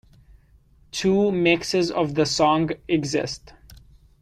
Two mixes of the song exist.